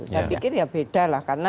saya pikir ya beda lah karena